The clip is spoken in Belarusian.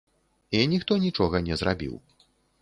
І ніхто нічога не зрабіў.